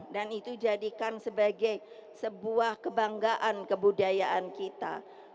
dan itu jadikan sebagai sebuah kebanggaan kebudayaan kita